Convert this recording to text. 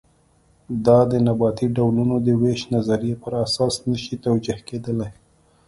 دا د نباتي ډولونو د وېش نظریې پر اساس نه شي توجیه کېدلی.